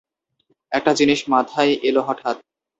একটা জিনিস মাথায় এলো হঠাৎ।